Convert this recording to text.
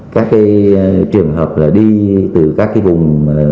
các cái trường hợp là đi từ các cái vùng